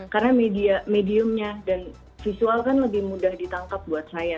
karena mediumnya dan visual kan lebih mudah ditangkap buat saya